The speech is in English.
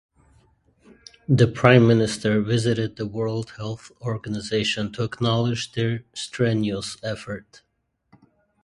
The prime minister visited the World Health Organization to acknowledge their strenuous efforts.